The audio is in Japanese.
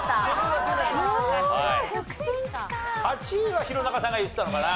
８位は弘中さんが言ってたのかな。